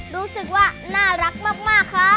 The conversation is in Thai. รู้สึกว่าน่ารักมากครับ